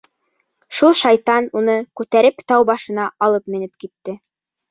Шул шайтан уны күтәреп тау башына алып менеп китте.